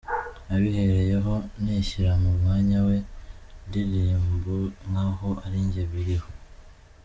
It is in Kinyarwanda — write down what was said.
Nabihereyeho, nishyira mu mwanya we, ndirimbo nk’aho ari jye biriho.